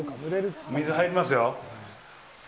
水、入りますよ。